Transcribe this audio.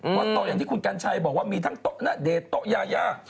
เพราะโต๊ะอย่างที่คุณกัญชัยบอกว่ามีทั้งโต๊ะณเดชนโต๊ะยายา